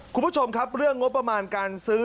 คุณผู้ชมครับเรื่องงบประมาณการซื้อ